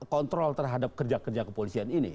kontrol terhadap kerja kerja kepolisian ini